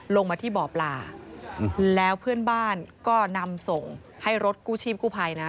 ลงมาที่บ่อปลาแล้วเพื่อนบ้านก็นำส่งให้รถกู้ชีพกู้ภัยนะ